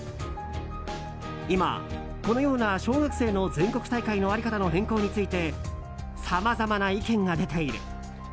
今、このような小学生の全国大会の在り方の変更についてさまざまな意見が出ている。